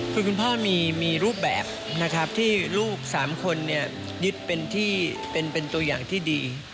คือคุณพ่อมีรูปแบบนะครับที่ลูก๓คนยึดเป็นตัวอย่างที่ดี